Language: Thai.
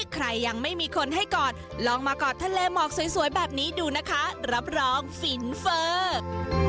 ใครยังไม่มีคนให้กอดลองมากอดทะเลหมอกสวยแบบนี้ดูนะคะรับรองฟินเฟิร์ก